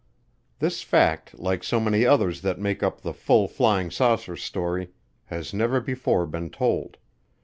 This fact, like so many others that make up the full flying saucer story, has never before been told.